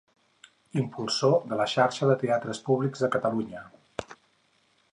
Impulsor de la Xarxa de Teatres Públics de Catalunya.